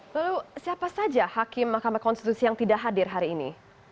lalu siapa saja hakim mahkamah konstitusi yang tidak hadir hari ini